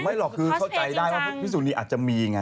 หรอกคือเข้าใจได้ว่าพิสุนีอาจจะมีไง